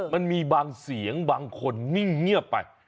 มันมีบางเสียงบางคนนิ่งเงียบไป